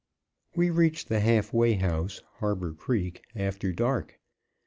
We reached the Half Way House, Harbor Creek, after dark.